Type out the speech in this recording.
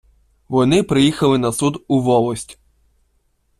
Вони приїхали на суд у волость.